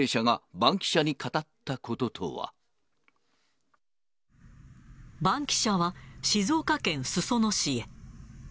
バンキシャは静岡県裾野市へ。